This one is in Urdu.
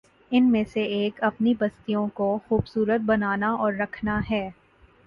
ان میں سے ایک اپنی بستیوں کو خوب صورت بنانا اور رکھنا ہے۔